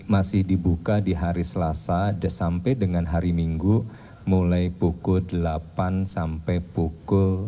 masih dibuka di hari selasa sampai dengan hari minggu mulai pukul delapan sampai pukul